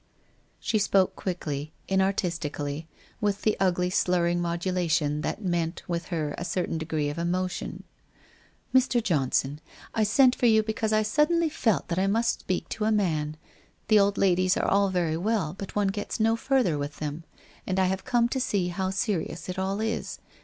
She spoke quickly, inartistically, with the ugly slurring modulation that meant with her a certain degree of emo tion. ' Mr. Johnson, I sent for you, because I suddenly felt that I must speak to a man. The old ladies are all very well, but one gets no further with them. And I have come to see how serious it all is.